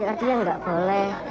ya dia nggak boleh